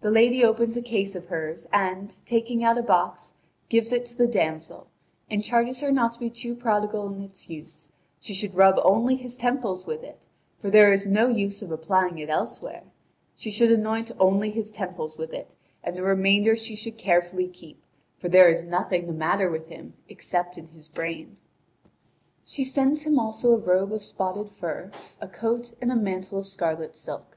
The lady opens a case of hers, and, taking out a box, gives it to the damsel, and charges her not to be too prodigal in its use: she should rub only his temples with it, for there is no use of applying it elsewhere; she should anoint only his temples with it, and the remainder she should carefully keep, for there is nothing the matter with him except in his brain. She sends him also a robe of spotted fur, a coat, and a mantle of scarlet silk.